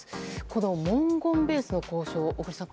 この文言ベースの交渉、小栗さん